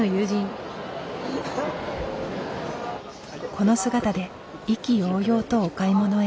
この姿で意気揚々とお買い物へ。